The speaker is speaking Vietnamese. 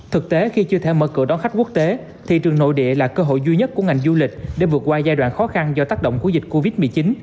thực tế khi chưa thể mở cửa đón khách quốc tế thị trường nội địa là cơ hội duy nhất của ngành du lịch để vượt qua giai đoạn khó khăn do tác động của dịch covid một mươi chín